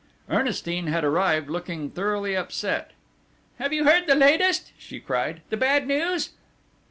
] Ernestine had arrived looking thoroughly upset: "Have you heard the latest?" she cried, "the bad news?"